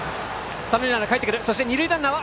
三塁ランナーかえってきた。